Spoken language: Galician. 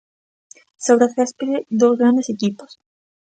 Sobre o céspede dous grandes equipos.